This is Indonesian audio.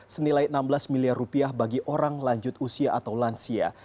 senilai enam belas miliar rupiah bagi orang lanjut usia atau lansia